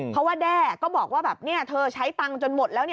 เพราะว่าแด้ก็บอกว่าเธอใช้ตังค์จนหมดแล้ว